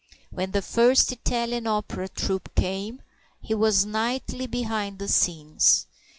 When the first Italian opera troupe came, he was nightly behind the scenes.